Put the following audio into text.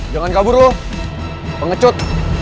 jangan kabur loh pengecut